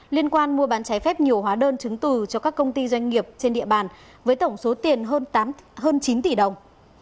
liên quan mua bán trái phép nhiều hóa đơn chứng từ cho các công ty doanh nghiệp trên địa bàn với tổng số tiền hơn chín tỷ đồng